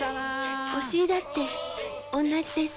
お尻だっておんなじです。